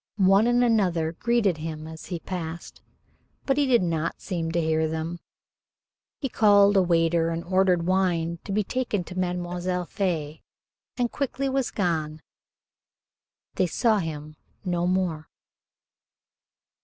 One and another greeted him as he passed, but he did not seem to hear them. He called a waiter and ordered wine to be taken to Mademoiselle Fée, and quickly was gone. They saw him no more.